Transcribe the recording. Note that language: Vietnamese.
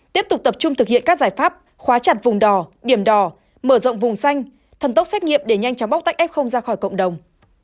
tiếp tục tập trung thực hiện các giải pháp khóa chặt vùng đò điểm đỏ mở rộng vùng xanh thần tốc xét nghiệm để nhanh chóng bóc tách f ra khỏi cộng đồng